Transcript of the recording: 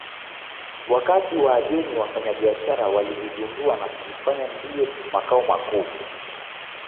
Wakati Waajemi wafanyabiashara walivigundua na kuvifanya ndiyo makao makuu